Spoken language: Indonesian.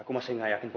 aku masih gak yakin pok